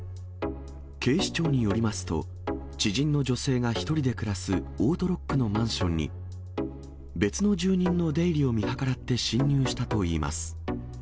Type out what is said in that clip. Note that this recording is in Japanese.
警視庁によりますと、知人の女性が１人で暮らすオートロックのマンションに、別の住人の出入りを見計らって侵入したといいます。